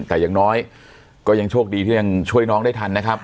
แต่อย่างน้อยก็ยังโชคดีที่ยังช่วยน้องได้ทันนะครับ